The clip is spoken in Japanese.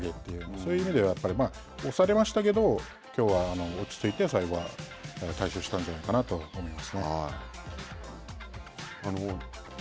そういう意味では、長期の休場明けですけれども、きょうは落ち着いて最後は対処したんじゃないかなと思います。